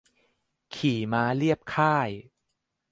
ขี่ม้าเลียบค่าย